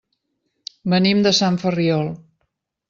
Venim de Sant Ferriol.